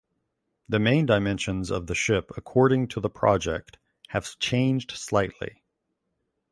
The main dimensions of the ship according to the project have changed slightly.